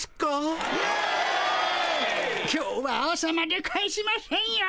今日は朝まで帰しませんよ。